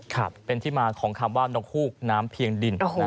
ครับเป็นที่มาของคำว่านกฮูกน้ำเพียงดิน